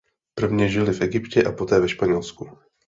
Prvně žily v Egyptě a poté ve Španělsku.